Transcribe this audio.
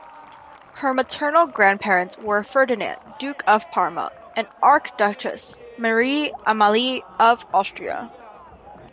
Her maternal grandparents were Ferdinand, Duke of Parma and Archduchess Marie Amalie of Austria.